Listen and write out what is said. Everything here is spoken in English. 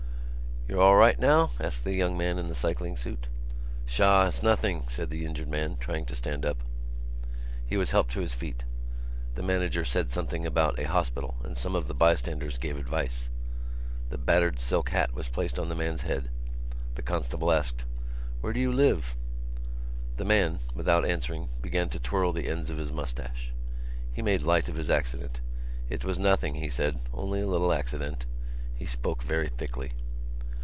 "You're all right now?" asked the young man in the cycling suit. "Sha, 's nothing," said the injured man, trying to stand up. He was helped to his feet. The manager said something about a hospital and some of the bystanders gave advice. The battered silk hat was placed on the man's head. The constable asked: "Where do you live?" The man, without answering, began to twirl the ends of his moustache. He made light of his accident. It was nothing, he said: only a little accident. He spoke very thickly.